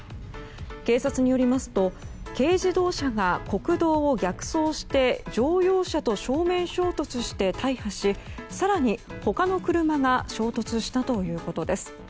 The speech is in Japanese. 警察によりますと軽自動車が国道を逆走して乗用車と正面衝突して大破し更に他の車が衝突したということです。